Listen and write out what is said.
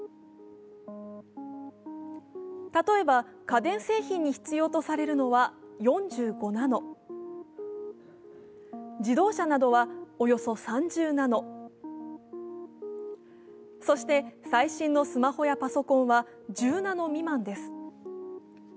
例えば、家電製品に必要とされるのは４５ナノ、自動車などはおよそ３０ナノ、そして、最新のスマホやパソコンは１０ナノ未満です。